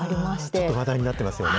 ちょっと話題になっていますよね。